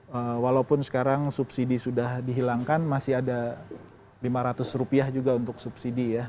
ya walaupun sekarang subsidi sudah dihilangkan masih ada lima ratus rupiah juga untuk subsidi ya